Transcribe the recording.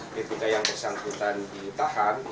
ketika yang bersangkutan ditahan